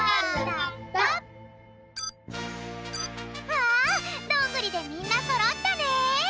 わあ「どんぐり」でみんなそろったね！